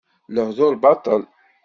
Lehduṛ baṭel.